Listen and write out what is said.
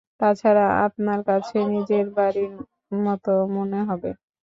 তাছাড়া, আপনার কাছে নিজের বাড়ির মতো মনে হবে।